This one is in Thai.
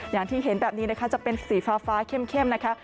อย่างที่เห็นแบบนี้นะคะจะเป็นสีฟ้าเข้มนะคะ